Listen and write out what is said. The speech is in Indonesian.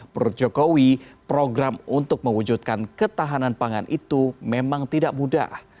menurut jokowi program untuk mewujudkan ketahanan pangan itu memang tidak mudah